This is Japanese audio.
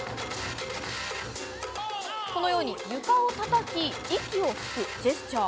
このように、床をたたき、息を吹くジェスチャー。